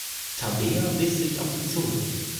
Tabea biss sich auf die Zunge.